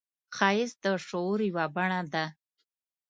ښایست د شعور یوه بڼه ده